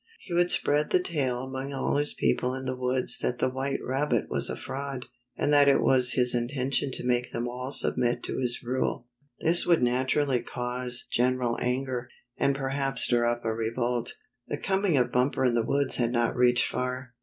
He would spread the tale among all his people in the woods that the white rabbit was a fraud, and that it was his intention to make them all submit to his rule. This would naturally cause 58 Spotted Tail Stirs up Revolt 59 general anger, and perhaps stir up a revolt. The coming of Bumper in the woods had not reached far.